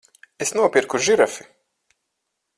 Es nopirku žirafi!